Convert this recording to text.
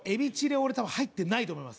俺多分入ってないと思います。